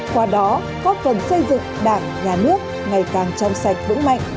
qua đó có cần xây dựng đảng nhà nước ngày càng trong sạch vững mạnh